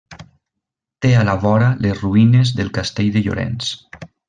Té a la vora les ruïnes del castell de Llorenç.